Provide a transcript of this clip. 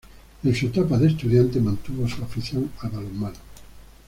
En su etapa de estudiante mantuvo su afición al balonmano.